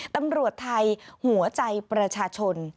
ตำรวจไทยหัวใจประชาชน